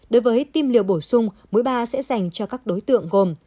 đối với tiêm liêu bổ sung mũi ba sẽ dành cho các đối tượng gồm